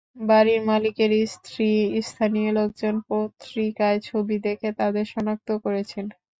বাড়ির মালিকের স্ত্রী, স্থানীয় লোকজন পত্রিকায় ছবি দেখে তাঁদের শনাক্ত করেছেন।